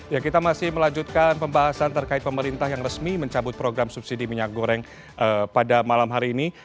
ya kita masih melanjutkan pembahasan terkait pemerintah yang resmi mencabut program subsidi minyak goreng pada malam hari ini